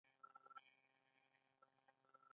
دغو مدرسو ته په درنه سترګه ګوري.